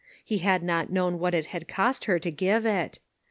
He had not known what it had cost her to give it.